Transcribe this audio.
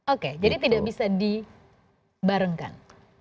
oke jadi tidak bisa dibarengkan